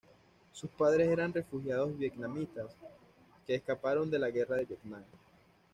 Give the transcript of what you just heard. Sus padres eran refugiados vietnamitas que escaparon de la Guerra de Vietnam.